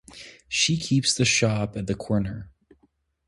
She keeps the shop at the corner.